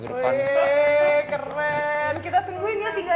keren kita tungguin ya singlenya kakak beto nanti ya